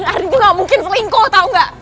adi itu gak mungkin selingkuh tau gak